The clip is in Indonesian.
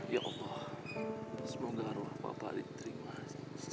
ya allah semoga roh papa diterima di sini